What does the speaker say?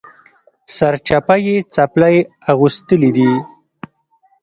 سرچپه یې څپلۍ اغوستلي دي